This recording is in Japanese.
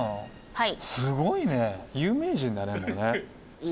はい。